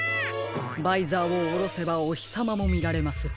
バイザーをおろせばおひさまもみられます。